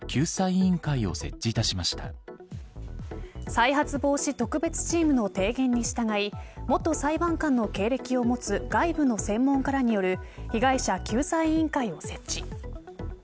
再発防止特別チームの提言に従い元裁判官の経歴を持つ外部の専門家らによる被害者救済委員会を設置。